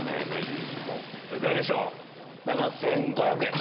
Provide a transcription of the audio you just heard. ７５００円。